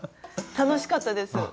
楽しかったです